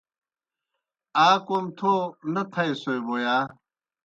آ کوْم تھو نہ تھائیسوئے بوْ یا؟